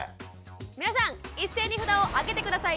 皆さん一斉に札をあげて下さい。